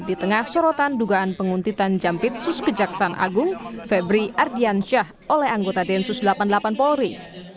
di tengah sorotan dugaan penguntitan jampitsus kejaksaan agung febri ardiansyah oleh anggota densus delapan puluh delapan polri